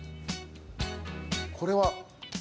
これは。